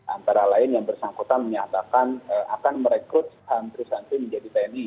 antara lain yang bersangkutan menyatakan akan merekrut santri santri menjadi tni